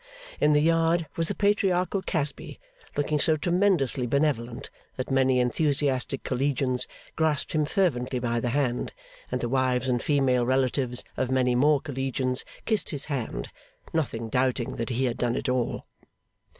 In the yard, was the Patriarchal Casby, looking so tremendously benevolent that many enthusiastic Collegians grasped him fervently by the hand, and the wives and female relatives of many more Collegians kissed his hand, nothing doubting that he had done it all.